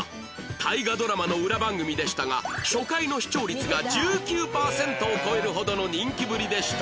大河ドラマの裏番組でしたが初回の視聴率が１９パーセントを超えるほどの人気ぶりでした